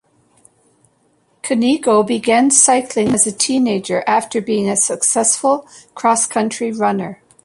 Cunego began cycling as a teenager after being a successful cross-country runner.